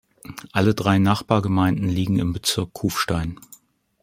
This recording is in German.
Alle drei Nachbargemeinden liegen im Bezirk Kufstein